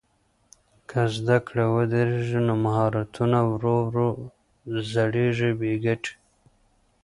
که زده کړه ودرېږي نو مهارتونه ورو ورو زړېږي بې ګټې.